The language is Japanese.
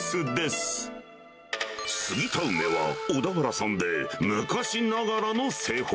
すぎた梅は小田原産で昔ながらの製法。